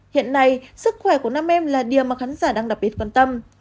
hiện nay sức khỏe của năm em là điều mà khán giả đang đặc biệt quan tâm